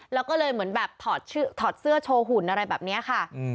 แล้วก็เลยเหมือนแบบถอดชื่อถอดเสื้อโชว์หุ่นอะไรแบบเนี้ยค่ะอืม